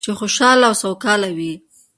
چې خوشحاله او سوکاله وي.